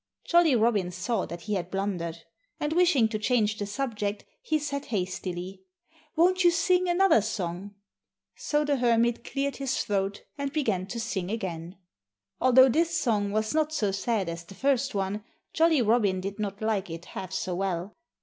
Jolly Robin saw that he had blundered. And wishing to change the subject, he said hastily: "Won't you sing another song?" So the Hermit cleared his throat and began to sing again. Although this song was not so sad as the first one, Jolly Robin did not like it half so well.